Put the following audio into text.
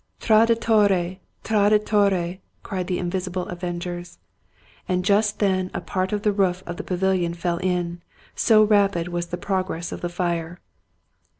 " Traditore! Traditore! " cried the invisible avengers. And just then a part of the roof of the pavilion fell in, so rapid was the progress of the fire.